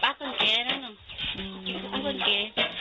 ปั๊กคนเก๋นั่นนั่นคนเก๋